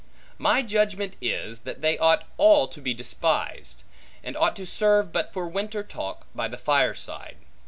My judgment is, that they ought all to be despised; and ought to serve but for winter talk by the fireside.